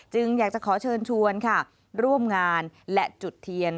อยากจะขอเชิญชวนค่ะร่วมงานและจุดเทียน